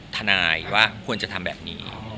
ทนายว่าควรจะทำแบบนี้